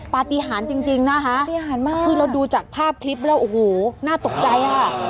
ปฏิหารจริงนะคะคือเราดูจากภาพคลิปแล้วโอ้โหน่าตกใจค่ะ